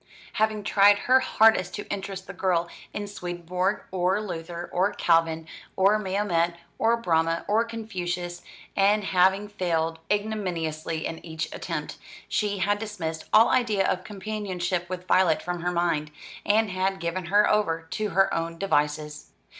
Having tried her hardest to interest the girl in Swedenborg, or Luther, or Calvin, or Mahomet, or Brahma, or Confucius, and having failed ignominiously in each attempt, she had dismissed all idea of companionship with Violet from her mind, and had given her over to her own devices.